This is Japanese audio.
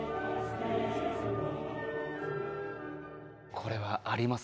これはあります